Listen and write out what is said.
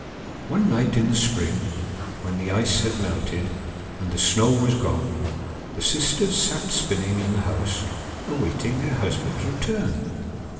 One night in the spring, when the ice had melted, and the snow was gone, the sisters sat spinning in the house, awaiting their husbands' return.